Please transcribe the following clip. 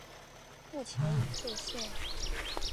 目前已废线。